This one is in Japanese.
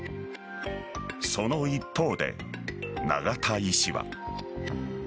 その一方で永田医師は。